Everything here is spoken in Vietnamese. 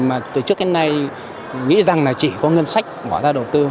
mà từ trước đến nay nghĩ rằng chỉ có ngân sách gọi ra đầu tư